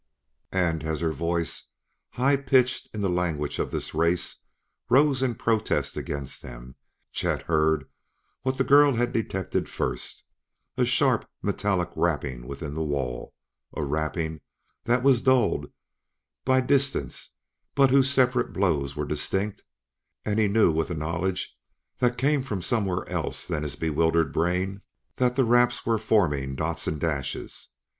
And, as her voice, high pitched in the language of this race, rose in protest against them, Chet heard what the girl had detected first: a sharp, metallic rapping within the wall, a rapping that was dulled by distance but whose separate blows were distinct; and he knew, with a knowledge that came from somewhere else than his bewildered brain, that the raps were forming dots and dashes.